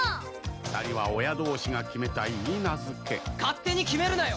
ふたりは親同士が決めた許婚勝手に決めるなよ